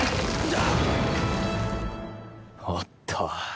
おっと。